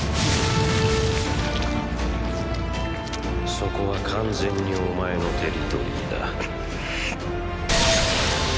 そこは完全にお前のテリトリーだ。